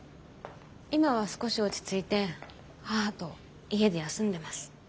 今は少し落ち着いて母と家で休んでます。